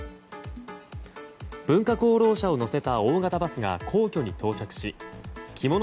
文化功労者を乗せた大型バスが皇居に到着し着物